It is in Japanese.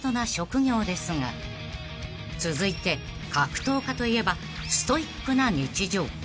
［続いて格闘家といえばストイックな日常］